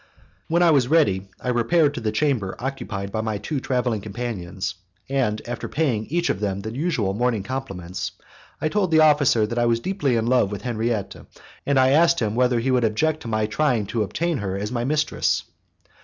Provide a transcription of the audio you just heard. When I was ready I repaired to the chamber occupied by my two travelling companions, and after paying each of them the usual morning compliments I told the officer that I was deeply in love with Henriette, and I asked him whether he would object to my trying to obtain her as my mistress.